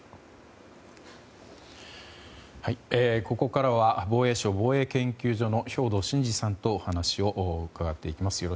ここからは防衛省防衛研究所の兵頭慎治さんにお話を伺っていきます。